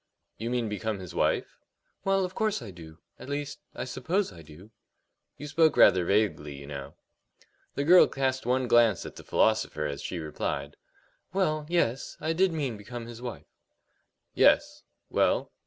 "You mean become his wife?" "Well, of course I do at least, I suppose I do." "You spoke rather vaguely, you know." The girl cast one glance at the philosopher as she replied: "Well, yes; I did mean become his wife." "Yes. Well?"